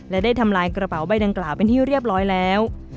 และได้ทำลายกระเป๋าใบดังกล่าวเป็นที่เรียบร้อยแล้ว